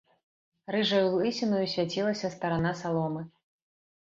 Рыжаю лысінаю свяцілася старана саломы.